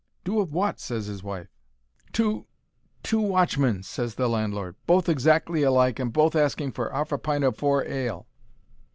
"Two of wot?" ses his wife. "Two—two watchmen," ses the landlord; "both exac'ly alike and both asking for 'arf a pint o' four ale."